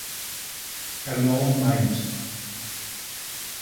Galland meint.